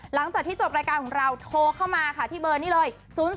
หลังจากที่จบรายการของเราโทรเข้ามาค่ะที่เบอร์นี้เลย